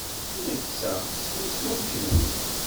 Netta swaswa am kenwi.